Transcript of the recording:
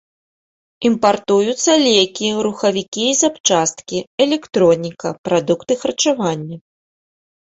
Імпартуюцца лекі, рухавікі і запчасткі, электроніка, прадукты харчавання.